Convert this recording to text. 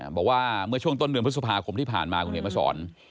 บอกว่าเมื่อช่วงต้นเดือนพฤษภาคมที่ผ่านมาคุณเห็นมาสอน